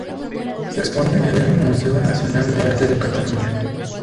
Se expone en el Museu Nacional d'Art de Catalunya.